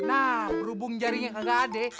nah berhubung jaringnya kagak ada